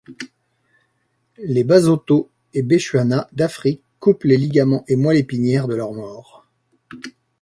Les Basotho et Bechuana d'Afrique coupent les ligaments et moelle épinière de leurs morts.